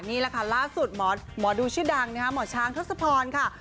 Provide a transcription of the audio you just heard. นี่แหละค่ะล่าสุดหมอดูชื่อดังนะคะหมอช้างทศพรค่ะ